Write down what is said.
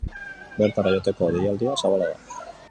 Bertara joateko deialdia zabala da.